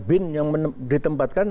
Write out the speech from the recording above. bin yang ditempatkan